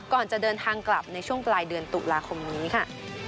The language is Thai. ก่อนจะเดินทางกลับในช่วงปลายเดือนตุลาคมนี้ค่ะ